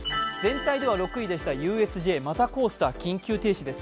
全体では６位でした、ＵＳＪ、またコースター緊急停止。